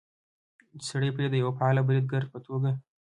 چې سړى پرې د يوه فعال بريدګر په توګه